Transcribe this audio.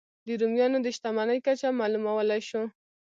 د رومیانو د شتمنۍ کچه معلومولای شو.